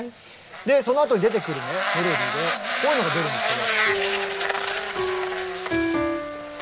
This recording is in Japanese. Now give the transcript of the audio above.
そのあとに出てくるねメロディーでこういうのが出るんですけど。